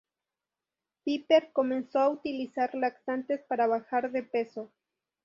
Piper comenzó a utilizar laxantes para bajar de peso.